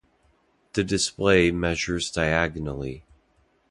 The display measures diagonally.